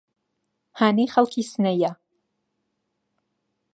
هانی خەڵکی سنەیە